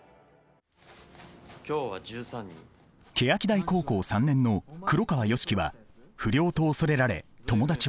欅台高校３年の黒川良樹は不良と恐れられ友達はゼロ。